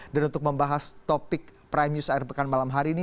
dan untuk membahas topik prime news air pekan malam hari ini